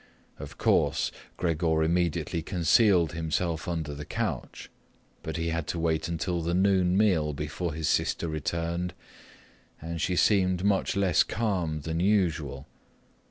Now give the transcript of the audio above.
Of course, Gregor immediately concealed himself under the couch, but he had to wait until the noon meal before his sister returned, and she seemed much less calm than usual.